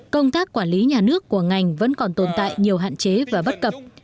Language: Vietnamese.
công tác quản lý nhà nước của ngành vẫn còn tồn tại nhiều hạn chế và bất cập